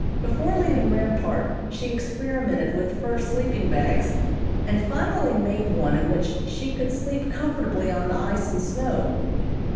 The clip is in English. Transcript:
Before leaving Rampart she experimented with fur sleeping bags, and finally made one in which she could sleep comfortably on the ice and snow.